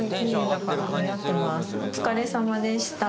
お疲れさまでした。